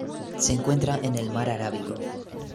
Se encuentra en el Mar Arábigo.